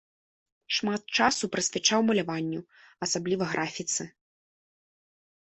Шмат часу прысвячаў маляванню, асабліва графіцы.